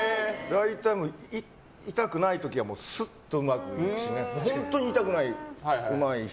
大体痛くない時はすっと抜くし本当に痛くない、うまい人。